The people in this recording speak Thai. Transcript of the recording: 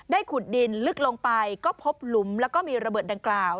ขุดดินลึกลงไปก็พบหลุมแล้วก็มีระเบิดดังกล่าว